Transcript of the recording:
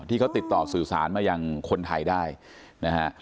ที่เขาติดต่อสื่อสารมายังคนไทยได้นะฮะ